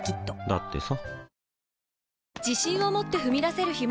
だってさ